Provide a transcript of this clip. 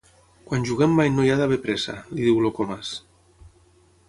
Quan juguem mai no hi ha d'haver pressa —li diu el Comas.